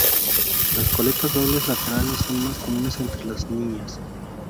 Las coletas dobles laterales son más comunes entre las niñas.